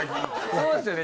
そうですよね。